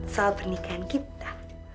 soal pernikahan kita